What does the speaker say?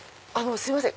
すいません